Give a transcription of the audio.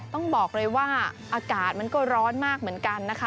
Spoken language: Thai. ต้องบอกเลยว่าอากาศมันก็ร้อนมากเหมือนกันนะคะ